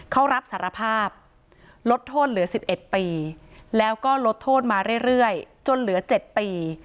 เขารับสารภาพลดโทษเหลือ๑๑ปีแล้วก็ลดโทษมาเรื่อยจนเหลือ๗ปี